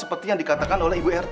seperti yang dikatakan oleh ibu rt